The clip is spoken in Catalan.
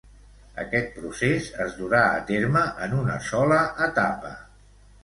Aquest procés es durà a terme en una sola etapa.